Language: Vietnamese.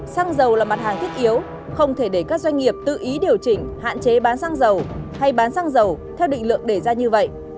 xăng dầu là mặt hàng thiết yếu không thể để các doanh nghiệp tự ý điều chỉnh hạn chế bán xăng dầu hay bán xăng dầu theo định lượng đề ra như vậy